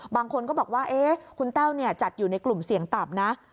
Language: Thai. บางคนก็บอกว่าคุณแต้วจัดอยู่ในกลุ่มเสี่ยงต่ำนะ